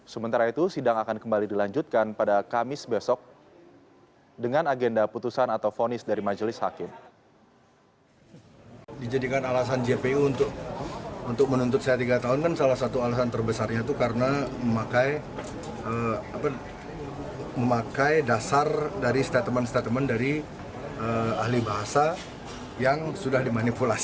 sementara itu sidang akan kembali dilanjutkan pada kamis besok dengan agenda putusan atau fonis dari majelis hakim